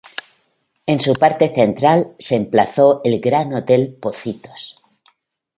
En su parte central se emplazó el Gran Hotel Pocitos.